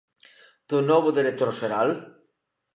¿Do novo director xeral?